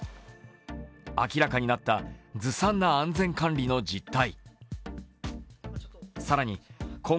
明らかになったずさんな安全管理の実態。